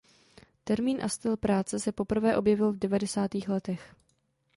Termín a styl práce se poprvé objevil v devadesátých letech.